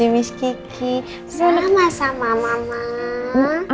mak kan dia